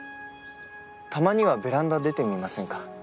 たまにはベランダ出てみませんか？